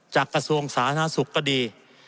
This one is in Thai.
กระทรวงสาธารณสุขก็ดี